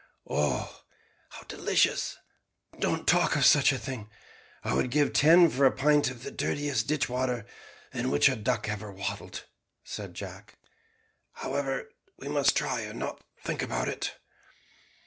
"Oh, how delicious! don't talk of such a thing. I would give ten for a pint of the dirtiest ditch water in which a duck ever waddled," said Jack; "however, we must try and not think about it."